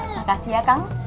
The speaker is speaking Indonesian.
makasih ya kang